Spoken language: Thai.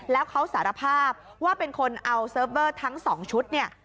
แล้วเขาสารภาพว่าเป็นคนเอาเซิร์ฟเวอร์ทั้ง๒ชุดเนี่ย